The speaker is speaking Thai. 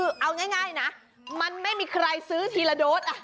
คือเอาง่ายนะมันไม่มีใครซื้อทีละโดส